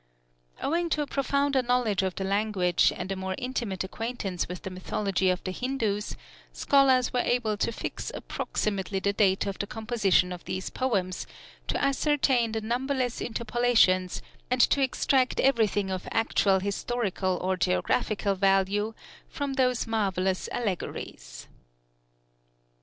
Owing to a profounder knowledge of the language and a more intimate acquaintance with the mythology of the Hindus, scholars were able to fix approximately the date of the composition of these poems, to ascertain the numberless interpolations, and to extract everything of actual historical or geographical value from those marvellous allegories.